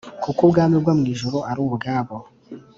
Kuko ubwami bwo mu ijuru ari ubwabo.